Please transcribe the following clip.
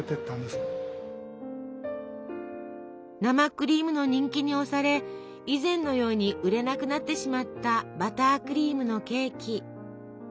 生クリームの人気に押され以前のように売れなくなってしまったバタークリームのケーキ。